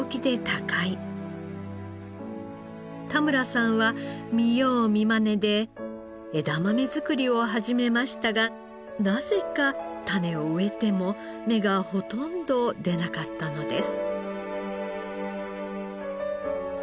田村さんは見よう見まねで枝豆作りを始めましたがなぜか種を植えても芽がほとんど出なかったのです。